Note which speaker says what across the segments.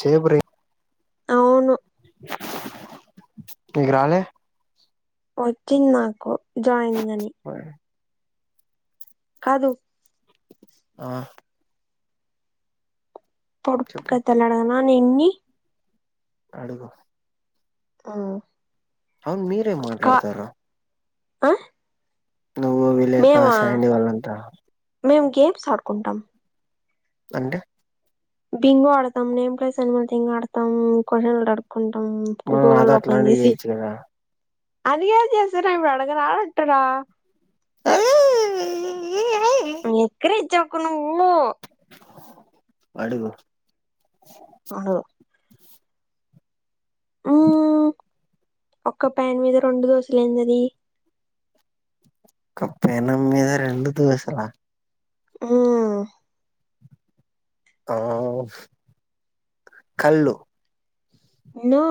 Speaker 1: సేపురీ
Speaker 2: అవును
Speaker 1: ఇగ రాలే
Speaker 2: వచ్చింది నాకు జాయినింగ్ అని కాదు
Speaker 1: ఆ
Speaker 2: పొడుపు
Speaker 1: చెప్పు
Speaker 2: కతలడగనా నిన్ని
Speaker 1: అడుగు
Speaker 2: ఆ
Speaker 1: అవున్ మీరే మాట్లాడతారా?
Speaker 2: ఆ
Speaker 1: నువ్వు, విలేక,
Speaker 2: మేమా
Speaker 1: షైనీ వాళ్ళంతా
Speaker 2: సాడుకుంటాం
Speaker 1: అంటే
Speaker 2: బింగో ఆడతాం నేమ్ ప్లేస్ లో అనిమల్ కింగ్ ఆడతాం కొ [unintelligible] కొంటాం
Speaker 1: మనం నాతో
Speaker 2: గూగుల్లో ఓపన్
Speaker 1: అట్లాంటివి
Speaker 2: చేసి
Speaker 1: చేయొచ్చు కదా
Speaker 2: అందుకేం చేస్తారా ఏమైనా అడగరా ఉంటార ఎక్కిరించకు నువ్వు
Speaker 1: అడుగు
Speaker 2: అవును ఉమ్మ్మ్మ్ ఒక్క ప్యాన్ మీద రెండు దోశలెందది?
Speaker 1: ఒక పెనం మీద రెండు దోశల ఆ
Speaker 2: అమ్మ్
Speaker 1: ఆ కల్లు
Speaker 2: నో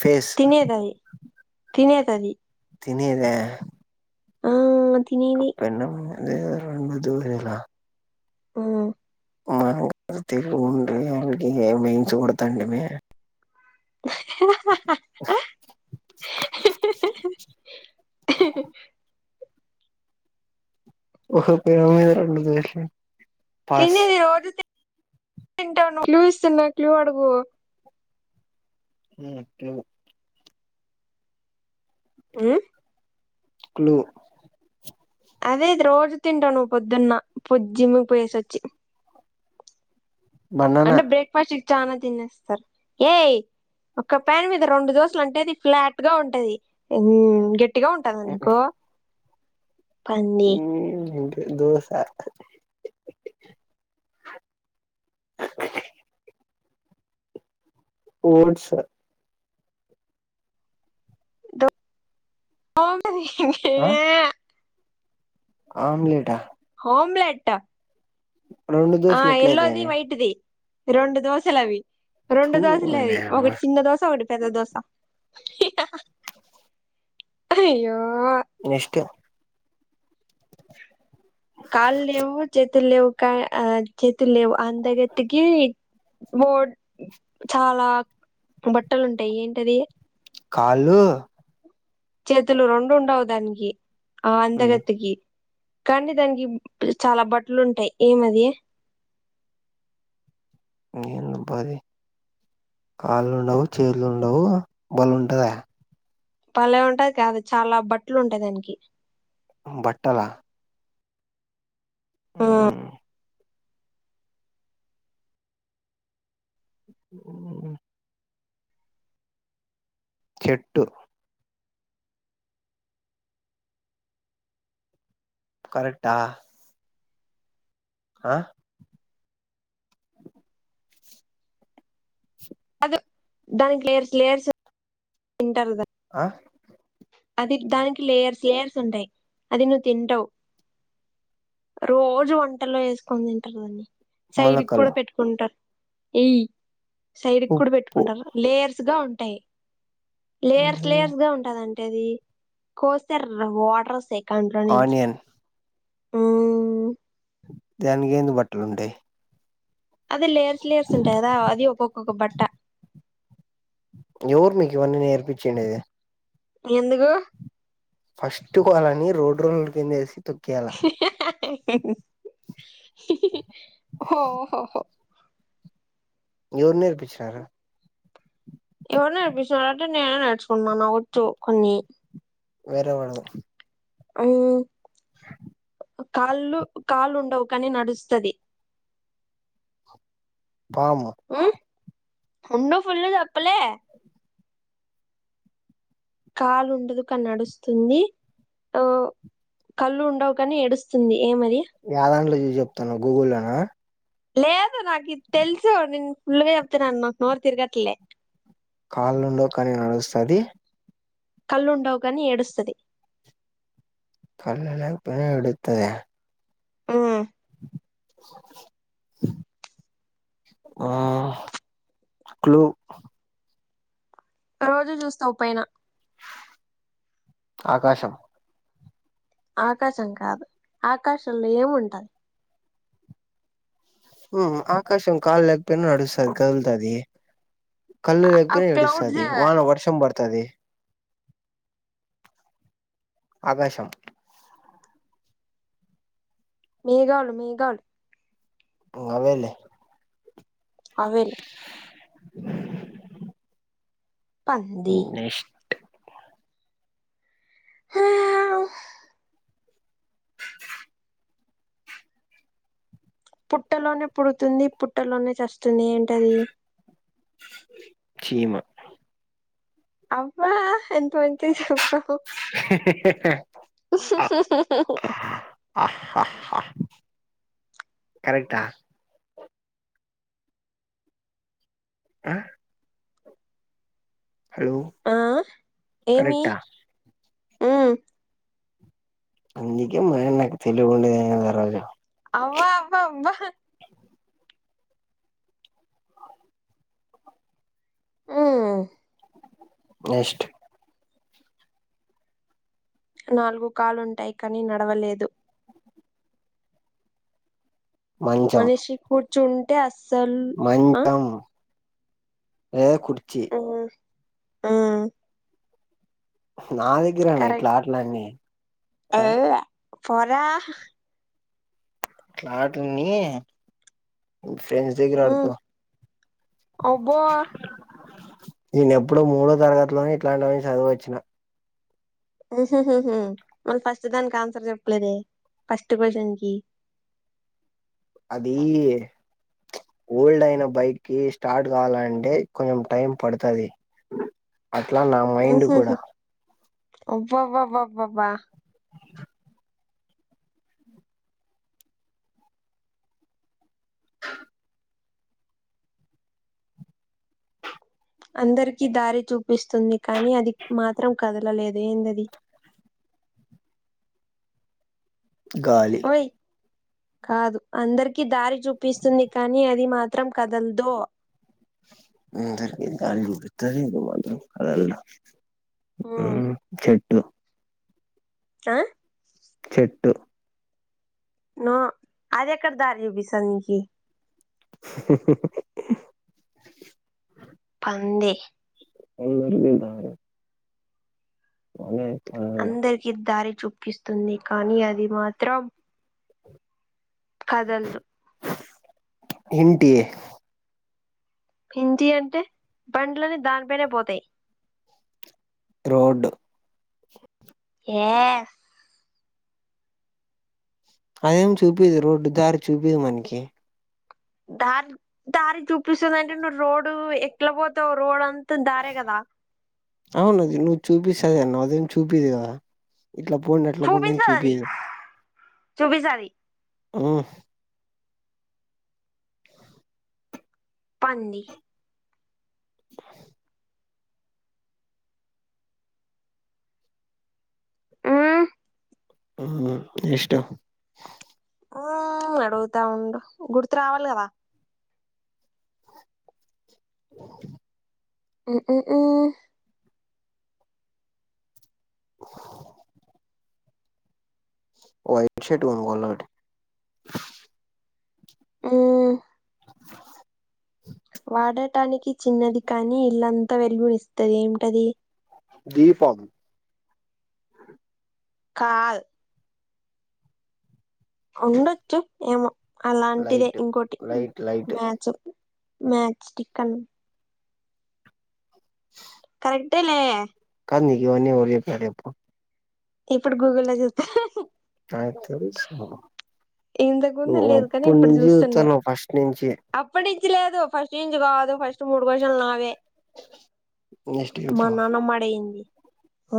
Speaker 1: ఫేస్
Speaker 2: తినేదది తినే
Speaker 1: తిన్నేదా
Speaker 2: ఆ తినేది
Speaker 1: అప్పన్న మ రె ద వరిలా
Speaker 2: హ్మ్మ్
Speaker 1: మన తె ఉండ వాకి వేయించకూడతండి మ హ [unintelligible]
Speaker 2: తినేది రోజు తిం తింటాను క్లూ ఇస్తున్నా క్లూ అడుగు?
Speaker 1: హ [unintelligible]
Speaker 2: ఉమ్
Speaker 1: క్లు
Speaker 2: అదేటి రోజు తింటా నువ్వు పొద్దున్న పొద్ జిమ్కి పోయేసోచ్చి.
Speaker 1: బనానా
Speaker 2: అంటే బ్రేక్ఫాస్ట్కి చానా తినేస్తారు ఏయ్ ఒక ప్యాన్ మీద రెండు దోశలంటే అది ఫ్లాట్ గా ఉంటది ఉమ్ గెట్ గట్టిగా ఉంటాదనుకో
Speaker 1: ంట దోస ఓట్స్
Speaker 2: [unintelligible]
Speaker 1: ఆమ్లెట్ ఆ
Speaker 2: ఆమ్లెట్
Speaker 1: రెండు
Speaker 2: ఆ
Speaker 1: దోశలు
Speaker 2: ఎల్లో ది
Speaker 1: ఎట్లయితాయి
Speaker 2: వైట్ ది రెండు దోశలు అవి రెండు
Speaker 1: థూ
Speaker 2: దోశలు
Speaker 1: ఓరి
Speaker 2: అవి
Speaker 1: యమ్మ
Speaker 2: ఒకటి చిన్న దోశ ఒకటి పెద్ద దోసా అయ్యో
Speaker 1: నెక్స్ట్
Speaker 2: కాళ్ళు లేవు చేతులు లేవు చేతులు లేవు అంద గత్తేకి బో చాలా బట్టలుంటాయి ఏంటది
Speaker 1: కాళ్ళు
Speaker 2: చేతులు రెండు ఉండవు దానికి ఆ అందగత్తేకి కానీ దానికి చాలా బట్టలు ఉంటాయి ఏమది
Speaker 1: ఎందబ్బ అది కాళ్ళు లేవు చేతులు లేవు బల ఉంటదా
Speaker 2: భలే ఉంటది కాదు చాలా బట్టలు ఉంటాయి దానికి
Speaker 1: బట్టలా
Speaker 2: ఉం
Speaker 1: ఉ చెట్టు కరెక్టా ఆ
Speaker 2: దానికి లేర్స్ లేయర్స్ తింటారు కాడ [unintelligible]
Speaker 1: ఆ
Speaker 2: అది దానికి లేయర్స్ లేయర్స్ ఉంటాయి అది నువ్వు తింటవు రోజు వంటలో వేసుకుని తింటారు వాళ్ళు సైడ్కి
Speaker 1: మొలకలు
Speaker 2: కూడా పెట్టుకుంటారు ఎయి సైడ్ కూడా
Speaker 1: ఉప్పు
Speaker 2: పెట్టుకుంటారు లేయర్స్ గా ఉంటాయి లేయర్స్ లేయర్స్ గా ఉంటద టది కోస్తే వాటర్ వస్తే కంటిలో నుంచి
Speaker 1: ఆనియన్
Speaker 2: ఉం
Speaker 1: దానికి ఎందు బట్టలు ఉంటాయి
Speaker 2: అది లేయర్స్ లేయర్స్ ఉంటది కదా అది ఒక్క ఒక్కొక్క బట్ట
Speaker 1: ఎవరు నీకు ఇవన్నీ నేర్పించిండేది
Speaker 2: ఎందుకు
Speaker 1: ఫస్ట్కు వాళ్ళని రోడ్ రోలర్ కిందేసి తొక్కేయాల
Speaker 2: ఓహోహో
Speaker 1: ఎవరు నేర్పిచ్చినారు
Speaker 2: ఎవరు నేర్పిస్తున్నారు అంటే నేనే నేర్చుకున్ను నాకొచ్చు కొన్ని
Speaker 1: వరే వాళ [unintelligible]
Speaker 2: ఉం కాళ్ళు కాళ్లు ఉండవు కానీ నడుస్తది
Speaker 1: బమ్ [unintelligible]
Speaker 2: రెండు ఫుల్ తప్పలే కాలు ఉండదు కాని నడుస్తుంది ఓ కళ్ళు ఉండవు కాని ఏడుస్తుంది ఏమది
Speaker 1: యాదాన్ట్లో చూసి చెప్తునావు గూగుల్లోనా
Speaker 2: లేదు నాకిది తెలుసు నేను ఫుల్గా చెప్తున్నాను నాకు నోరు తిరగట్లే
Speaker 1: కాళ్ళు ఉండవు కానీ నడుస్తది
Speaker 2: కల్లుండవ్ గాని ఏడుస్తుది
Speaker 1: న్న పని ఎతుద [unintelligible]
Speaker 2: మ్మ్
Speaker 1: ఆ క్లుూ
Speaker 2: రోజు చూస్తావు పైన
Speaker 1: ఆకాశం
Speaker 2: ఆకాశం కాదు ఆకాశంలో ఏము ఉంటది
Speaker 1: ఆకాశం కాల్ లేకపోయినా నడుస్తుది కదులుతది కళ్ళు లేకపోయినా
Speaker 2: క్లౌడ్స్
Speaker 1: ఎడుస్తుది వాన వర్షం పడతది ఆకాశం
Speaker 2: మేఘాలు మేఘల్
Speaker 1: అవేలే
Speaker 2: అవలే పంది
Speaker 1: నెక్స్ట్
Speaker 2: హ్మ్ పుట్టలోనే పుడుతుంది పుట్టలోనే చస్తుంది ఏంటది
Speaker 1: చీమ
Speaker 2: అబ్వ ఎంత వింతగా చెప్ప
Speaker 1: కరెక్టా ఆ హలో
Speaker 2: ఆ
Speaker 1: కరెక్టా
Speaker 2: మ్మ్
Speaker 1: అందుక మేన్న తెలిగుండ రజ
Speaker 2: అవ్వవా అవ్వ అవ్వ మ్మ్
Speaker 1: నెక్స్ట్
Speaker 2: నాలుగు కాలుంటాయి కానీ నడవలేదు
Speaker 1: మంచం
Speaker 2: మనిషి కూర్చు ఉంటే అస్సల్ ఆ
Speaker 1: ఏ
Speaker 2: మ్మ్
Speaker 1: నా దగ్గరన్న ఇట్లా
Speaker 2: కరెక్ట్
Speaker 1: అట్లన్న ఆ
Speaker 2: పో రా
Speaker 1: క్లాట్ అన్ని తేజ్ దగ్గర అడుకో
Speaker 2: ఉమ్ అబ్బో
Speaker 1: నేన ఎప్పుడో మూడో తరగతిలోని ఇట్లాంటివన్న చదువు వచ్చిన
Speaker 2: మళ్ళీ ఫస్ట్ దానికి ఆన్సర్ చెప్పలేదే ఫస్ట్ క్వ్చన్ కి
Speaker 1: అది ఓల్డ్ అయిన బైక్కిి స్టార్ట్ కావాలంటే కొంచెం టైం పడతది అట్లా నా మైండ్ కూడా
Speaker 2: ఒబ బ ఒబ్బబా అందరికీ దారి చూపిస్తుంది కానీ అది మాత్రం కదలలేదు ఏందది
Speaker 1: గాలి
Speaker 2: ఓయ్ కాదు అందరికీ దారి చూపిస్తుంది కానీ అది మాత్రం కదలదు
Speaker 1: అందరికీ దారి చూపిస్తుంది కానీ అది మాత్రం కదలదు
Speaker 2: ఉమ్
Speaker 1: హ్మ్ చెట్టు
Speaker 2: ఆ
Speaker 1: చెట్టు
Speaker 2: ఆ ఆది ఎక్కడ దారి చూపిస్తాది నికి
Speaker 1: ఉహ్మ్ హు హు
Speaker 2: పంది
Speaker 1: [unintelligible] [unintelligible]
Speaker 2: అందరికి దారి చూపిస్తుంది కానీ అది మాత్రం కదలదు
Speaker 1: ఏంటి
Speaker 2: పింటి అంటే పండ్లన్నీ దానిపైనే పోతాయి
Speaker 1: రోడ్
Speaker 2: ఏ
Speaker 1: అదేం చూపిది రోడ్డు దారి చూపిదు మనకి
Speaker 2: దారి దారి చూపిస్తదండే నువ్వు రోడు ఎట్ల పోతావు రోడ్ అంతా తం దారే కదా
Speaker 1: అవును అది నువ్వు చూపిస్తదనవ్ అదేం చూపిదు కదా ఇట్లా పోండి అట్లా పోండి అని చూపిదు
Speaker 2: చూపిస్తాది
Speaker 1: ఉమ్
Speaker 2: పంది మ్మ్
Speaker 1: ఉమ్ హు ఇష్టం
Speaker 2: ఆ అడుగుతా ఉండు గుర్తు రావాలి కదా
Speaker 1: ఉమ్
Speaker 2: ఉమ్ ఉమ్ హు
Speaker 1: వైట్ షర్ట్ కొనుక్కోవాలి ఒకటి
Speaker 2: ఉమ్ వాడటానికి చిన్నది కాని ఇల్లంతా వెలుగునిస్తది ఏటది
Speaker 1: దీపం
Speaker 2: కాదు ఉండొచ్చు ఏమో అలాంటిదే
Speaker 1: లైట్
Speaker 2: ఇంకోటి
Speaker 1: లైట్ లైట్
Speaker 2: మ్యాచ్ మ్యాథ్స్టిక్ అని ఇట్టలే
Speaker 1: కాదు నీకు ఇవన్నీ ఎవరు చెప్పినారు చెప్పు
Speaker 2: ఇప్పుడు గూగుల్లో లో చూస్త హా
Speaker 1: నాకు తెలుసు
Speaker 2: ఇంతకు ముందు
Speaker 1: నువ్
Speaker 2: లేదు కానీ
Speaker 1: అప్పుటి
Speaker 2: ఇప్పుడు
Speaker 1: నుంచి చూస్తానవ్ ఫస్ట్ నుంచి
Speaker 2: ఇచి లేదు ఫస్ట్ నుంచి కాదు ఫస్ట్ మూడు క్వశ్చన్లు నావే
Speaker 1: నెక్స్ట్
Speaker 2: మా
Speaker 1: చెప్పు
Speaker 2: నానమ్మ అడిగింది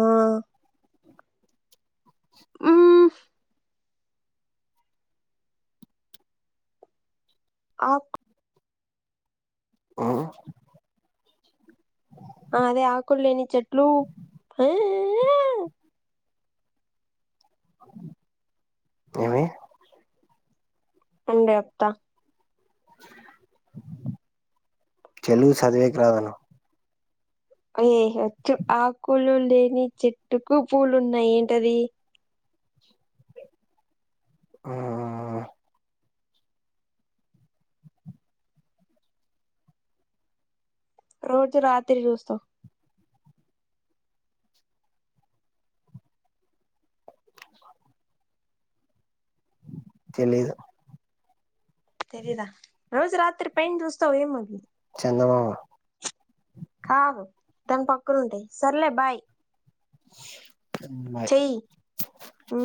Speaker 2: ఉమ్ ఉమ్ ఆప్
Speaker 1: ఉమ్
Speaker 2: ఆ అదే ఆకులేనిది చెట్లు హా హే
Speaker 1: ఏమి
Speaker 2: ఉండే చెప్తా
Speaker 1: చేలుగు చదివేకి రాదను
Speaker 2: ఏయ్ వచ్చు ఆకులు లేని చెట్టుకు పూలు ఉన్నాయి ఏంటది
Speaker 1: ఉమ్ ఆ ఆ
Speaker 2: రోజు రాత్రి చూస్తావ్
Speaker 1: తెలిదు
Speaker 2: రోజు రాత్రి పైనా చూస్తావ్ ఏమది
Speaker 1: చందమామ
Speaker 2: దానికి పక్కనా ఉంటయి సర్లే బాయ్
Speaker 1: బాయ్
Speaker 2: చేయ్ ఉ